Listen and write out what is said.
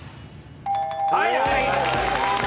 はいはい！